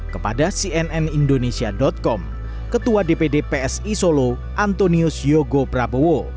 kepada cnn indonesia com ketua dpd psi solo antonius yogo prabowo